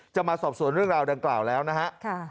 มาสอบสวนเรื่องราวดังกล่าวแล้วนะฮะ